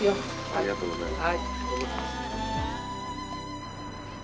ありがとうございます。